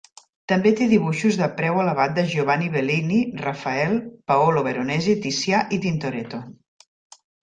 També té dibuixos de preu elevat de Giovanni Bellini, Rafael, Paolo Veronese, Ticià i Tintoretto.